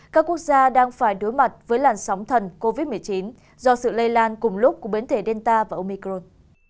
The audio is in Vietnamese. các quốc gia đang phải đối mặt với làn sóng thần covid một mươi chín do sự lây lan cùng lúc của biến thể delta và omicron